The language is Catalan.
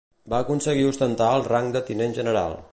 Va aconseguir ostentar el rang de tinent general.